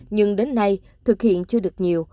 nhưng đến nay thực hiện chưa được nhiều